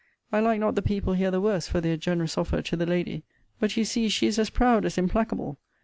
I like not the people here the worse for their generous offer to the lady. But you see she is as proud as implacable.